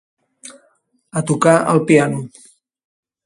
A tocar el piano.